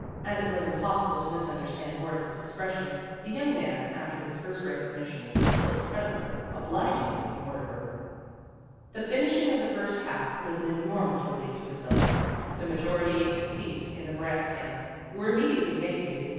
As it was im possible to misunderstand Horace's expres sion, the young man, after his first recognition of Priscilla 's presence, obligingly ignored her. The finishing of the first half was an AT THE FOOT BALL GAME 205 enormous relief to Priscilla. The majority of the seats in the grand stand were immediately vacated.